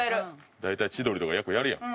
大体千鳥とかよくやるやん。